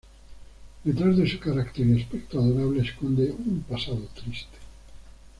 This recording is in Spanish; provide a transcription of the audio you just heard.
Detrás de su carácter y aspecto adorable esconde un pasado triste.